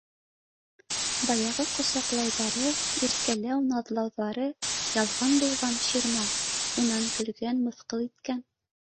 Баяғы ҡосаҡлауҙары, иркәләү-наҙлауҙары ялған булған, ширма, унан көлгән, мыҫҡыл иткән